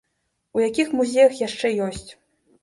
У якіх музеях яшчэ ёсць?